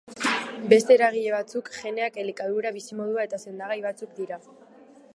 Beste eragile batzuk geneak, elikadura, bizimodua eta sendagai batzuk dira.